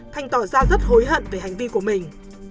thành tỏ ra rất hối hận về hành vi của mình